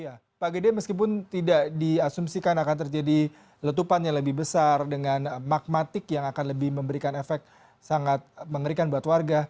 ya pak gede meskipun tidak diasumsikan akan terjadi letupan yang lebih besar dengan magmatik yang akan lebih memberikan efek sangat mengerikan buat warga